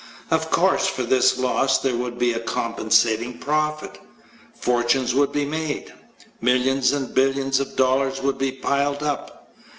Of course, for this loss, there would be a compensating profit fortunes would be made. Millions and billions of dollars would be piled up.